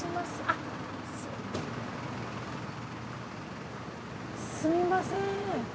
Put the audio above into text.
すみません